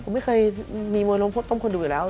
ผมไม่เคยมีมวยล้มพดต้มคนดูอยู่แล้ว